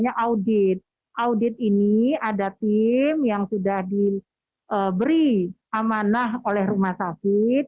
ada tim yang sudah diberi amanah oleh rumah sakit